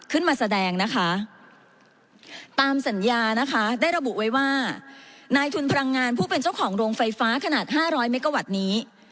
ขนาด๕๐๐เมกะวัตต์นี้